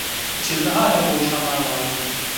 İçerde hala boğuşanlar vardı.